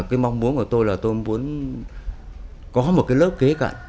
cái mong muốn của tôi là tôi muốn có một cái lớp kế cận